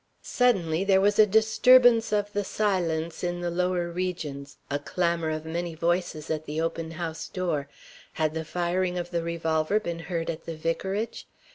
Suddenly there was a disturbance of the silence in the lower regions a clamor of many voices at the open house door. Had the firing of the revolver been heard at the vicarage?